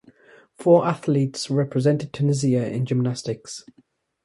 Four athletes represented Tunisia in gymnastics.